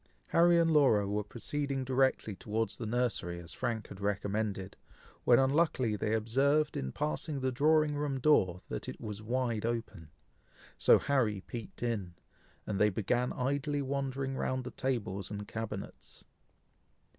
Harry and Laura were proceeding directly towards the nursery, as Frank had recommended, when unluckily they observed in passing the drawing room door, that it was wide open; so Harry peeped in, and they began idly wandering round the tables and cabinets.